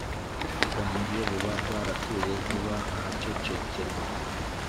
bwanjye buba bwaratuye vuba ahacecekerwa